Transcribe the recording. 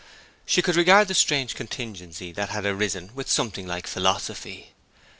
She could regard the strange contingency that had arisen with something like philosophy.